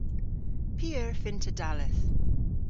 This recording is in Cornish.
P'eur fynn'ta dalleth?